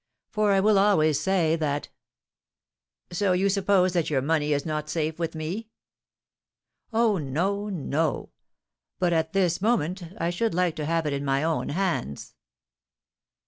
For I will always say that " "So you suppose that your money is not safe with me?" "Oh, no no! But, at this moment, I should like to have it in my own hands."